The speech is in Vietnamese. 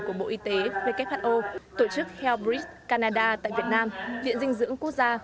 của bộ y tế who tổ chức health bridge canada tại việt nam viện dinh dưỡng quốc gia